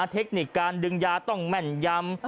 เทคนิคการดึงยาต้องแม่นยำ